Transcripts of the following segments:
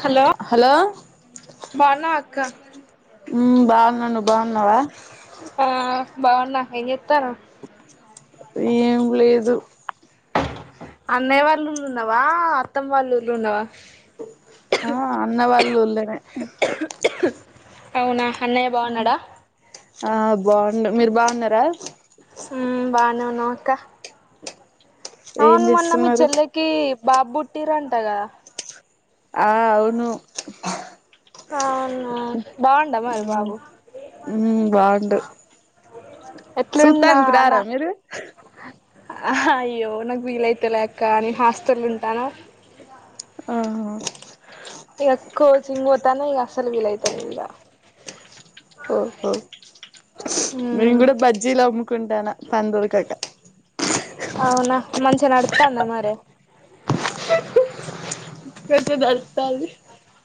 Hello బనా అక్క బాగున్నాను నువ్ బాగున్నావా హ బావన్నా ఎమ్ చెత్తానవ్ ఏం లేదు అన్నయ్య వాళ్ళుార్లో ఉన్నవా అత్తమ్మ వాళ్ళుర్లో ఉన్నవా ఆ అన్న వా ల్ ఊళ్లో నె [inaudible] అవునా అన్నయ్య బాగున్నాడా ఆ బాగుండు మీరు బాగున్నారా ఉ బానె అక్కా ఏం అవున్ మొన్న మీ చేస్తున్నారు చెల్లకి బాబుబుట్టిరంట కదా ఆ అవును [inaudible] ఆ బాగుండు ఎట్లున్నా సూతానికి నా నా రారా మీరు అయ్యో నాకు వీలైతే లేక్క నేను హాస్టల్ ఉంటాను ఆ ఇక కోచింగ్ పోతన ఈక అసలు విల్ [unintelligible] ఇక ఓహో మ్మ్ మెమ్ కూడా బజ్జీల కుంటాను అవునా మంచిష - - తందా మరే కదిే దర్తాల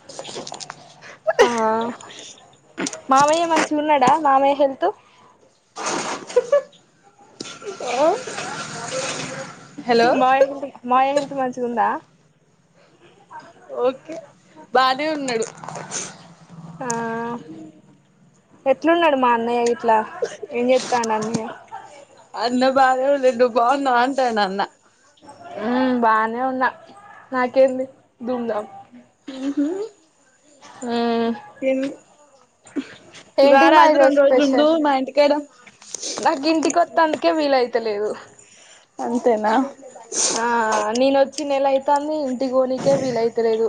[unintelligible] ఆ మామయ్య మంచి ఉన్నాడా మామయ్య హెల్త్ హలో మ [unintelligible] మ [unintelligible] ఎ మంచిగు ఉందా ఓకే బానే ఉన్నాడు ఆ ఎట్లున్నాడు మా అన్నయ్య ఇట్లా ఏం చేస్తాండు అన్నయ్య అన్న బానె ఉంన్నడు నువ్వు బాగుంన్నావు అంటాండు అన్న హ బానే ఉన్నా నాకేంది దూందాం ఆ ఇన్ ఏంటిది మరి రారాదు ఈరోజు రెండు రోజులు ఉందు స్పెషల్ మా ఇంటికాడ నాకు ఇంటికొత్తందుకే వీలయితలేదు అంతేనా ఆ నేను వచ్చినెలా అయి తాంది ఇంటికి పోనికే వీలయితలేదు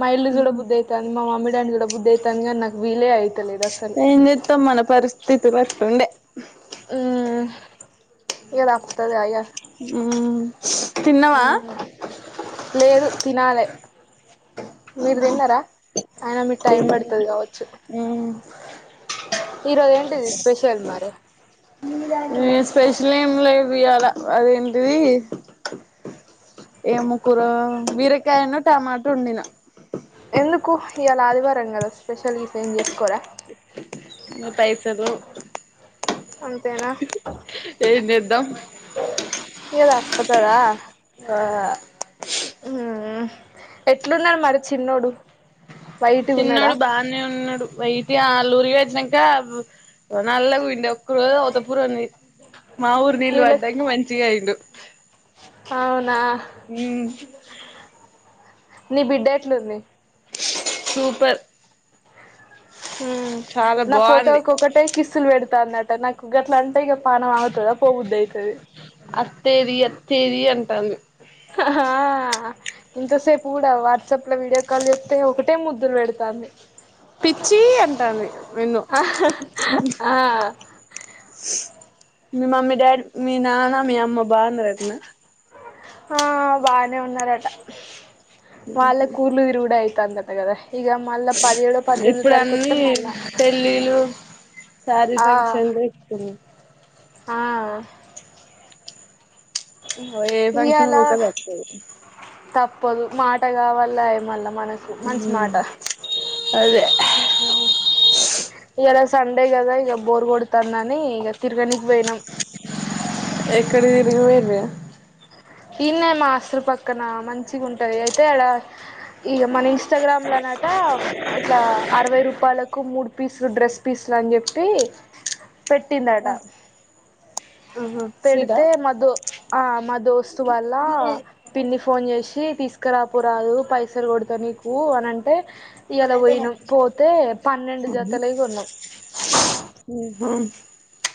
మా ఇల్లు చూడ బుద్ధి అయితంది మా మమ్మీ డాడీని చూడ బుద్ధి అయితంది గాని నాకు వీలే అయితలేదు అసలు ఏం చేత్తాం మన పరిస్థితులు అట్లుండే ఊ ఇగ [unintelligible] ఇగ ఉ ఉ లేదు తినాలే మీరు తిన్నారా అయినా మీకు టైం పడుతది కావచ్చు మ్మ్ ఈ రోజు ఎంటది స్పెషల్ మరి స్పెషల్ ఏం లేవు ఇవాలా అదేంటిది ఏ ము కూర బీరకాయను టమాటో వండిన ఎందుకు ఇయాలా ఆదివారం కదా స్పెషల్ గిషల్ ఏం చేసుకోరా మీ పైసలు అంతేనా ఏం చేదం ఇంగ తప్పతదా ఆ ఉ ఎట్లున్నాడు మరి చిన్నోడు వైట్గా ఉన్నాడా చిన్నోడు బానే ఉన్నాడు వై ఇ ఆళ్ళురికి పోయిచ్చినాక నల్లగుండె ఒక్క రోజు అవతపుూరు ఉంది మా ఊర్ నీలు నీళ్ళ పడంగా మంచిగయ్యిండు అవునా ఉ నీ బిడ్డ ఎట్లుంది సూపర్ హు చాలా నా బాగుంది ఫోటోకి ఒక్కటే కిసులు పెడు తంది అట నాకు గట్లా అంటే ఇగ పణం ఆగుతుదా పోబుది అయితది టంగ్ ఆ ఇంతసేపు కూడా వాట్సాప్ లో వీడియో కాల్ చేతే ఒకటే ముద్దులు పెడతాంది పిచ్చి అంటాంది నిన్ను ఆ మీ మమ్మీ డాడీ మీ నాన్న మీ అమ్మ బానారటన ఆ బానే ఉన్నారట వాళ్ళక్ ఊర్లు తిరుగుడు అయి తందట గద ఇప్పుడు అన్ని మళ్ళా పెళ్ళిలు శారీ ఆ ఫంక్షన్లు ఎక్కువ ఆ ఏ ఫంక్షన్ ఇయ్యాల బక తప్పదు తప్పదు మాట కావల ఏమల్ల మనసు మంచి మాట అదే ఉమ్ ఏ రోజ్ సండే కదా ఇగ బోర్ కొడతందని ఇక తిరగనీకి పోయినాం ఎక్కడ తిరిగి పోయిరే ఈన్నే మా హాస్టల్ పక్కన మంచిగా ఉంటది అయితే అడ ఈ మన ఇంస్టాగ్రామ్లోనట ఇట్లా అరవై రూపాయలకు మూడు పీసులు డ్రెస్ పీసులు అని చెప్పి పెట్టిందట ఆహా స్వీటా పెడితే మా దో ఆ మా దోస్ త్ వల్ల పిన్ని ఫోన్ చేసి తీస్ తీసుకురాపోరా అది పైసలు కొడతా నీకు అనంటే హ్మ్మ్ పన్నెండు జతలయి కొన్నాం హు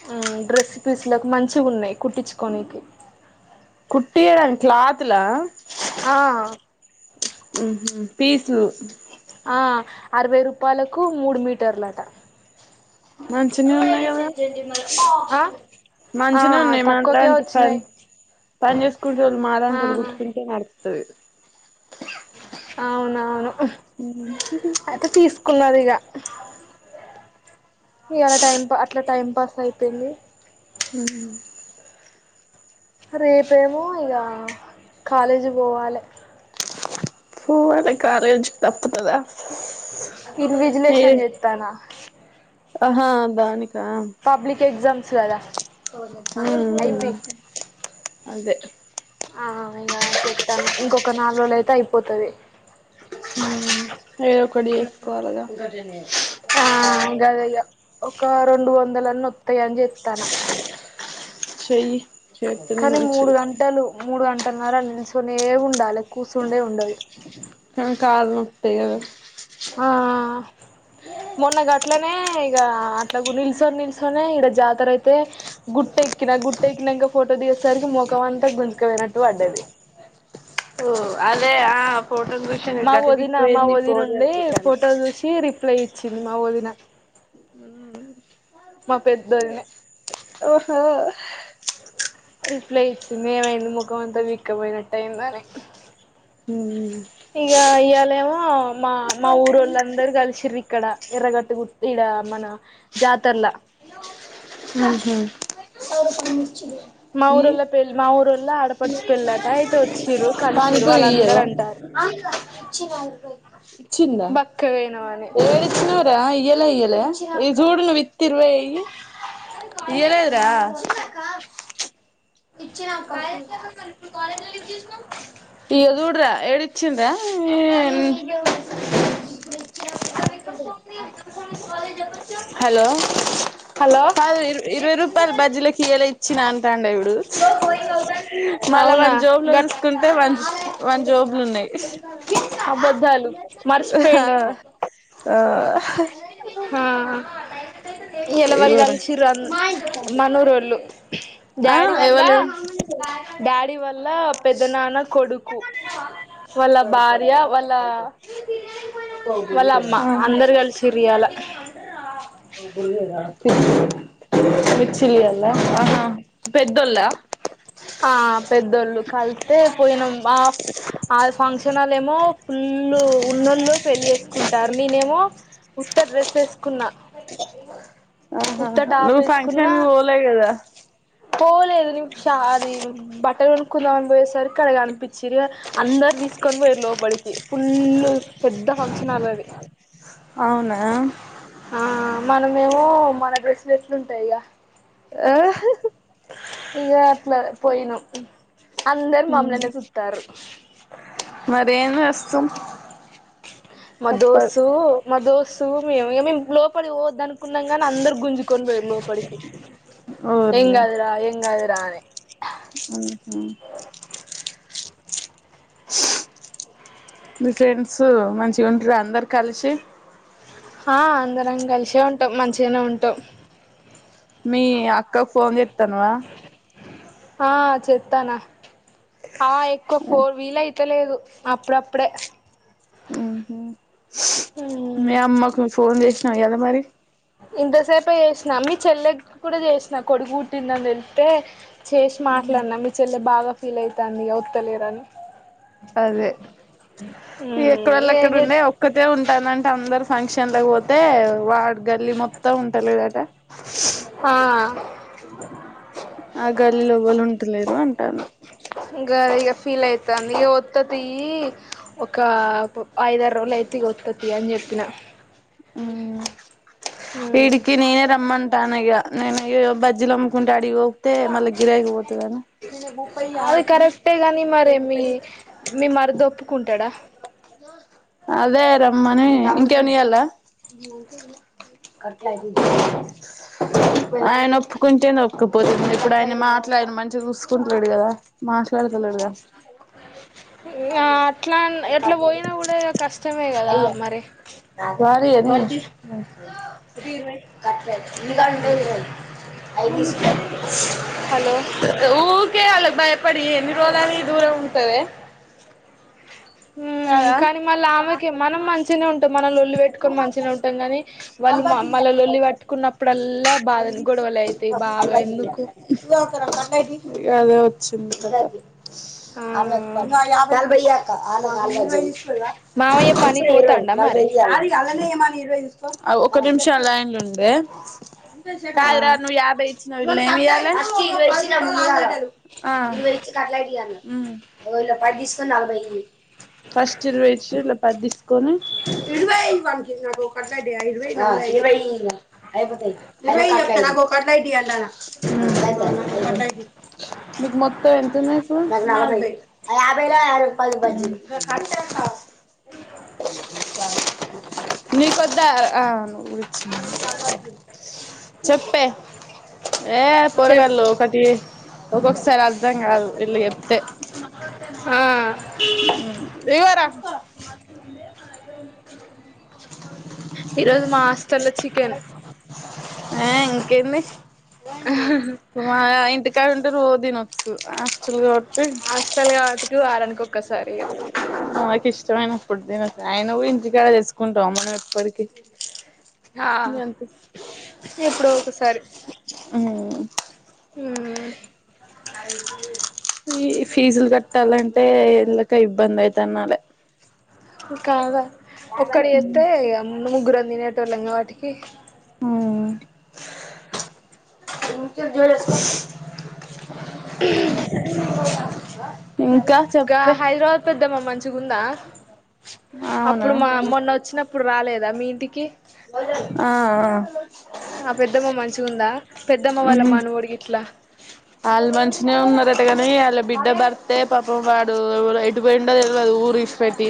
మ్మ్ డ్రెస్ పీస్లలకు మంచి ఉన్నాయి కుట్టించుకోనికి హీడన్ క్లాత్ల ఆ మ్మ్ హ్మ్ పీసులు ఆ అరవై రూపాయలకు మూడు మీటర్లట మంచిన ఉన్నాయి కదా ఆ ఆ మంచిన ఉన్నాయి తక్కువకే మనలాంటి పన్ వచ్చినాయి పని చేసుకుంటే వాళ్ళు మాలాంటి ఆ వాళ్ళు గుట్టుకుంటే నడుత త అవునవును అయితే తీసుకున్నారు ఇగ ఇవాళ టైం టు అట్లా టైం పాస్ అయిపోయింది మ్మ్ రేపు ఏమో ఇగ కాలేజీకి పోవాలి పోవులే కాలేజ్ తప్పద్ ఇన్ ఏ విజలేషన్ చెత్తన్న ఆహా దానిక్ తమ్ ఎగ్జమ్స్ గద ఓహో మ్మ్ హ్మ్ అదే ఆ ఇక చెప్తాను ఇంకొక నాలుగు రోజు అయితే అయిపోతది మ్మ్ ఏదో ఒకటి చేసుకోవాలగా ఆ గదే ఇగ ఒక రెండు వందలన్న వస్తాయని చేత్తన చెయ్ కానీ మూడు గంటలు మూడు గంట పన్నరా నిల్సునే ఉండాలి కూసుండే ఉండదు అంతే గద ఆ మొన్న గట్లనే ఇగ అట్లాగ నిల్స నిల్సు తినే ఇడ జాతర అయితే గుట్టెక్కిన గుట్ట ఎక్కినంకా ఫోటో తీసేసరికి మఖం అంతా గుంజుకు పోయినట్టు పడ్డది ఓ అదే ఆ ఫోటోను చూసి నేను మా గత వీక్ వదిన మా పోయింది వదిన్ ఫోన్ నుండి అనుకుంటాను ఫోటో చూసి రిప్లై సినిమా వదిన మా పెద్దోదినే ఓహో రిప్లై ఇచ్చింది ఏమైంది ముఖం అంతా విక్కపోయినట్ట్ట అయిందా అని మ్మ్ ఇగ ఇయ్యాలేమో మా మా ఊరోళ్ళు అందరు కలిసిర్ ఇక్కడ ఎర్రగట్టు గు ఇడ మన జాతి తల్ల మ్మ్ మ్మ్ మా ఊరోళ్ళ పెళ్ మా ఊరోళ్ళ ఆడపడుచు పెళ్ళట అయితే వచ్చిర్రు కలిసిర్రు పనిపవ ఇయ్యావా వాళ్ళందరు అంటారు ఇచ్చిందా బక్కగ అయినవ్ అని ఏడుచ్చినవుర ఇయ్యలా అయ్య ఈ జూడును విత్ తిరువే ఈ ఇయ్యాలేదు రా ఇచ్చినా అక్కా ప్పు కాలేజ్ అల్కి ఇక చూడరా ఏడిచ్ ఇచ్చిందా ఏ హలో హలో కాదు ఇ ఇరవై రూపాయలు బజ్జీలకి ఇయ్యలే ఇచ్చిన అంటాండు చూడు అవునా గ అదే వన్ వన్ జాబ్లు ఉన్నాయి. అబద్ధాలు ఆ హా ఇగోరా ఇలవైగాలు చిరు మనూ రోళ్లు ఆ డాడి వాల్ళ ఎవలేవు డాడి వాల్ లా పెద్దనానా కొడుకు వాళ్ళ భార్య వాళ్ళ [inaudible] సిరియాల [inaudible] విచ్చిలి వల్ల పెద్దోళ్ల ఆ పెద్దోళ్ళు కలిస్త పోయినం, ఆ ఆ ఫంక్షన్లో ఏమో ఫుల్లు ఉన్నోళ్ళు పెళ్ళి వేసుకుంటారు, నేనేమో ఉత్త డ్రెస్ వేసుకున్నా. ఉత్త టాప్ నువ్ వేసుకున్నా ఫంక్షన్ పోలే కదా పోలేదు ష అది బట్టలు కొనుక్కుందామని పోయే సరికిడగా అనిపించి, అందరు తీసుకొని పోయారు లోపలికి ఫుల్ పెద్ద ఫంక్షన్ హాల్ అది. అవునా ఓ మన డ్రెస్సులు ఎట్లుంటాయి ఇక ఆ ఇక అట్లా పోయిను అందరు మమలునే చుతారు మరేను వస్తుం మ దోసు మదో సు మేము లోపలి పోవద్దునుకునం గాని అందరు గుంజుకొని పోయిరు లోపలికి ఎం ఊర్ని కాదు ర ఎం కాదు ర అని ఊఉ మీ ఫ్రెండ్స్ మంచిగా ఉంటారు అందరు కలిసి ఆ అందరం కలిసే ఉంటాం మంచిగానే ఉంటాం మీ అక్కకు ఫోన్ చెబూతున్నావా ఆ చెస్తానా ఆ ఎక్కువ ఫోర్ వీల్ అయితలేదు అప్పుడప్పుడే మ్మ్ మీ అమ్మకు ఫోన్ చేసినా ఎద మరి ఇంతసేపే చేసినా, మీ చెల్లె కూడా చేసినా కొడుకు పుట్టిందని వెళ్తే చేసి మాట్లాడినా మీ చెల్లె బాగా ఫీల్ అవుతుంది ఇక ఒత్తలేరని అదే మ్మ్ ఎక్కడవళ అక్కడ ఏం చే ఉండే ఒక్కటే ఉంటానంటే అందరు ఫంక్షన్లా పో తె వా గల్లి మొత్తం ఉంటాలేదటా ఆ ఆ గల్లిలో ఎవలు ఉంటలేరు అంటన్ ది గరిగా ఫీల్ అవుతాంది, ఇ వత్తతి ఒక ఐదరు రోజులు అయిత ఇక వత్తతి అని చెప్పిన మ్ మ్మ్ ఇడుకి నేనే రమ్మం టాన ఇక నేను ఇో ఇక బజ్జిలు అమ్ముకుంటాడు అడికి పోతే మళ్ళ గిరయికపోతది అని అది కరెక్టే గాని మరి మీ మీ మరిది ఒప్పుకుంటాడా అదే రమ్మని ఇంకేమని ఇవ్యాలా, ఆయన ఒప్పుకుంటే ఒప్పుపోతుంది ఇప్పుడు ఆయన మాట్లాడు మంచి చూసుకుంటన్నాడు కదా మా [unintelligible] ఎట్లా పోయినా కూడా కష్టమే కదా మరి మ ఇవ కట్ ని కా ఇవ ఐ తీసు హలో ఊ కే వాళ్ళకి భయపడి ఎన్ని రోజులని దూరం ఉంటవే కానీ మళ్ళ ఆమెకే మనం మంచినే ఉంటాం మనం లొల్లి పెట్టుకొని మంచినే ఉంటాం కాని వాళ్ళు మళ్ళ లల్లి పట్టుకున్నప్పుడల్లా బాధ గొడవలు అవుతాయి బాగా ఎందుకు అదే వచ్చింది ఆ అమె బయక మామయ్య [unintelligible] పనికి పోతాండా న మరి అ అద [unintelligible] ఒక నిమిషం అలైన్ల ఉండే ఆ కాదురా ను యాభై ఎమ్ ఈయాలీ [unintelligible] ఆ ఎరవై ఇచి కట్‌లైట్ ఈయన్నా అళ పాటి తీసుకున్నళ్ భయ ఈయ్యి పడి టిస్కాన్ మికు మోట్టం నీ కొద్ద చెప్పే ఏ పే చెప్ రిగలో ఒకటి ఒక్కొక్కసారి అర్ధం కాదు వీళ్ళు చెప్తే ఆ మ్ రవార ఇరుజు మా హోస్టల్లో చికెన్ ఆ ఇంకేంది తమ ఇంటికా ఉంటే రో తినొచ్చు అస్లు ఆస్టల్ కావటి వారనుకో [unintelligible] సారిగా మనకి ఇష్టమైనప్పుడు తే ఆయన ఇంటికాడ చేసుకుంటాం మనం ఎప్పటికీ ఆ ఎప్పుడో ఒకసారి మ్మ్ ఈ ఫీజులు క ట్టాలంటే ఎందుకో ఇబ్బంది అయితున్నాల [unintelligible] ఒక్కడి [unintelligible] ముగ్గురు పోయేటోలం గా వాటికి ఆ ఇక హైదరాబాద్ పెద్దమ్మ మం చిుగుందా అవునా అప్పుడు మా మొన్న వోచ్చినప్పుడు రాలేదు ద మీ ఇంటికి ఆ ఆ పెద్దమ్మ మంచి గుందా పెద్దమ్మ వాళ్ళ మనువడు గిట్లా వాళ్ళు మంచినే ఉన్నారట. కానీ వాళ్ళ బిడ్డ బర్తె పాపం వాడు ఎటు పోయిండో తెలవదు. ఊర్ ఇడిస్ పెట్టి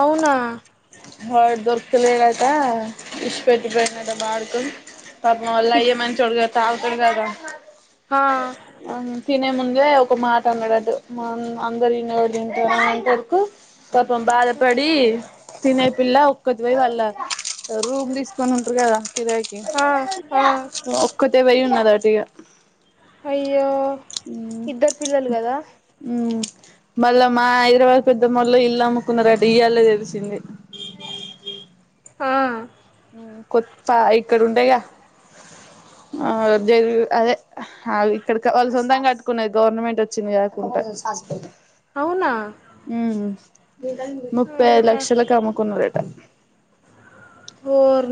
అవునా వాడు దొరక్కుతలేడంట ఇడీసీ పెట్టీ పోయిండట అంట బడ్కావ్ పాపం ఇద్ అల్లయ్య మంచోడు కాదు త [unintelligible] కాదా ఆ తినే ముందే ఒక మాట అన్నాడట మా అందరు ఇన్న [unintelligible] కు పాపం బాధపడి తినే పిల్ల ఒక్కది పోయ్య వళ్ళ రూమ్ తీసుకొని ఉంటారు కదా కిరాయికి ఆ ఆ ఒక్కతే పోయి ఉన్నద టిగా అయ్యో ఇద్దరు పిల్లలు కదా మ్ మళ్ళా మా హైదరాబాద్ పెద్ద మేళ్ళు ఇల్లు అమ్ముకున్నారు. అటా ఇయళ తెలిసింది. ఆ కొత్త ఇక్కడ ఉండేగా ఆ అదే ఇక్కడ వాళ్ళు సొంతం కట్టుకున్నాది. గవర్నమెంట్ వచ్చింది. కాకుండా అవునా హ్ ముప్పై ఐదు ఆహా లక్షలకు అమ్ముకున్నడ్ [unintelligible]